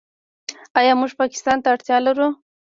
آیا موږ پاکستان ته اړتیا لرو؟